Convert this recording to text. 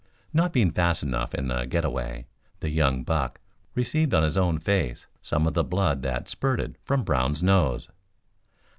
Not being fast enough in the get away, the young buck received on his own face some of the blood that spurted from Brown's nose.